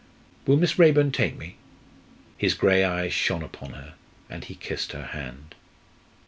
"Will Miss Raeburn take me?" His grey eyes shone upon her, and he kissed her hand.